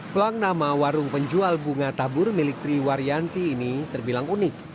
pelang nama warung penjual bunga tabur milik triwaryanti ini terbilang unik